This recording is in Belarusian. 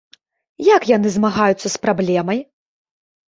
Як яны змагаюцца з праблемай?